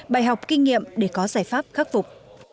bài học kinh nghiệm để có giải pháp khắc phục